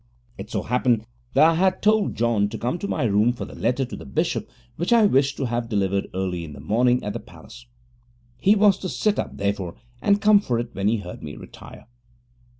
It so happened that I had told John to come to my room for the letter to the bishop which I wished to have delivered early in the morning at the Palace. He was to sit up, therefore, and come for it when he heard me retire.